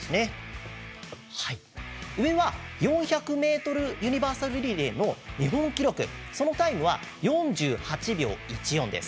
上は４００ｍユニバーサルリレーの日本記録、そのタイムは４８秒１４です。